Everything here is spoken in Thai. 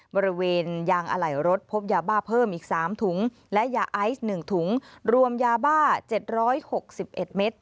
บริเวณยางอะไหล่รถพบยาบ้าเพิ่มอีก๓ถุงและยาไอซ์๑ถุงรวมยาบ้า๗๖๑เมตร